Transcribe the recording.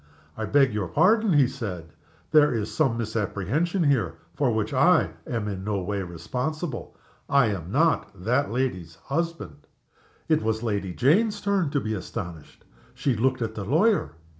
"I beg your pardon," he said. "There is some misapprehension here, for which I am in no way responsible. I am not that lady's husband." It was Lady Jane's turn to be astonished. She looked at the lawyer.